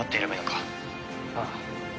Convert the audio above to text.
ああ。